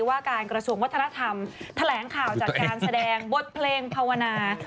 ว่าการกระทรวงวัฒนธรรมแถลงข่าวจัดการแสดงบทเพลงภาวนา